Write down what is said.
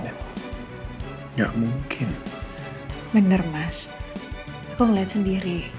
enggak mungkin menermas aku ngeliat sendiri